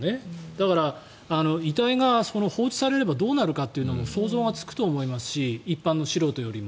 だから、遺体が放置されればどうなるかというのも想像がつくと思いますし一般の素人より。